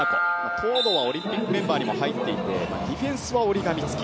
東藤はオリンピックメンバーにも入っていて、ディフェンスは折り紙付き。